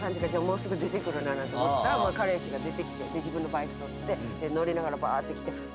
もうすぐ出てくるななんて思ってたら彼氏が出てきて自分のバイク取って乗りながらバーッて来てフラッシュ？